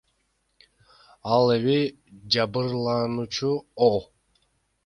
Ал эми жабырлануучу О.